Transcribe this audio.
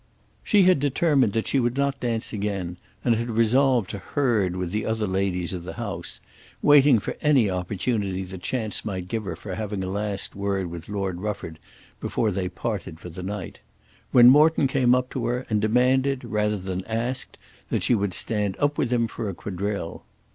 She had determined that she would not dance again and had resolved to herd with the other ladies of the house, waiting for any opportunity that chance might give her for having a last word with Lord Rufford before they parted for the night, when Morton came up to her and demanded rather than asked that she would stand up with him for a quadrille.